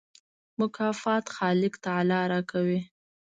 مکافات خالق تعالی راکوي.